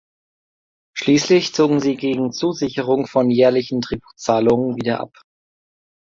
Schließlich zogen sie gegen Zusicherung von jährlichen Tributzahlungen wieder ab.